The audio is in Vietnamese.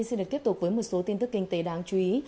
xin kết thúc với một số tin tức kinh tế đáng chú ý